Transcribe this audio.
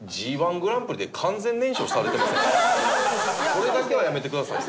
それだけはやめてくださいね。